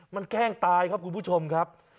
มันแกล้งตายครับคุณผู้ชมครับ